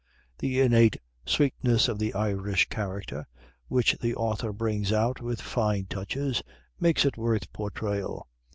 The innate sweetness of the Irish character, which the author brings out with fine touches, makes it worth portrayal.